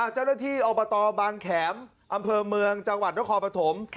เจ้าหน้าที่อบตบางแข็มอำเภอเมืองจังหวัดนครปฐม